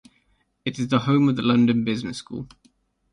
It is the home of the London Business School.